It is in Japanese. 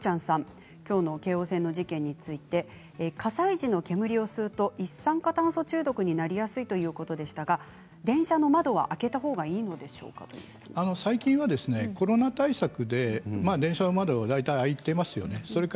きょうの京王線の事件について火災時の煙を吸うと一酸化炭素中毒になりやすいということですが電車の窓は開けたほうがいいので最近はコロナ対策で電車の窓は大体開いていますよね。